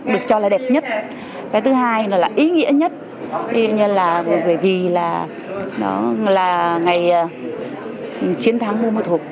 được cho là đẹp nhất cái thứ hai là ý nghĩa nhất vì là ngày chiến thắng bumathu